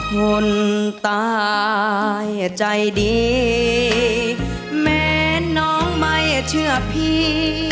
คนตายใจดีแม้น้องไม่เชื่อพี่